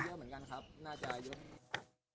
คนที่ใส่เชื้อบอกว่า